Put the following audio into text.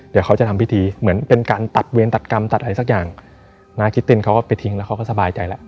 เดี๋ยวเขาจะทำพิธีเหมือนเป็นการตัดเวรตัดกรรมตัดอะไรสักอย่างนาคิตตินเขาก็ไปทิ้งแล้วเขาก็สบายใจแล้ว